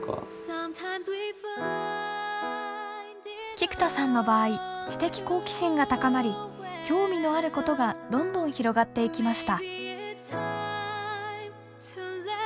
菊田さんの場合知的好奇心が高まり興味のあることがどんどん広がっていきました。